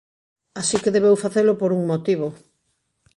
Así que debeu facelo por un motivo.